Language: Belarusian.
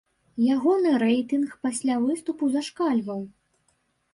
Ягоны рэйтынг пасля выступу зашкальваў.